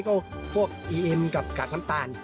ก็พวกอีเอ็มกับกากน้ำตาล